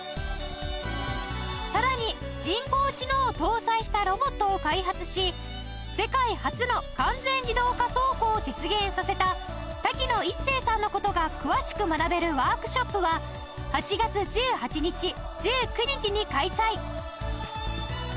さらに人工知能を搭載したロボットを開発し世界初の完全自動化倉庫を実現させた滝野一征さんの事が詳しく学べるワークショップは８月１８日１９日に開催！